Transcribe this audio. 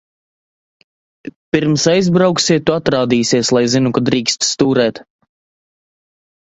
Pirms aizbrauksiet, tu atrādīsies, lai zinu, ka drīksti stūrēt.